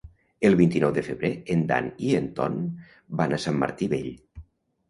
El vint-i-nou de febrer en Dan i en Ton van a Sant Martí Vell.